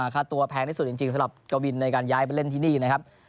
ค่าตัวแพงที่สุดจริงสำหรับกวินในการย้ายไปเล่นที่นี่นะครับ